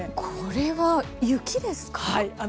これは雪ですか？